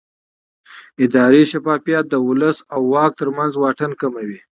اداري شفافیت د ولس او واک ترمنځ واټن کموي